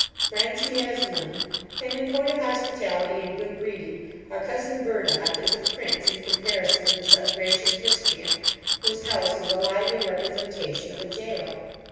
Friends he has none; and in point of hospitality and good breeding, our cousin Burdock is a prince in comparison of this ungracious miscreant, whose house is the lively representation of a gaol.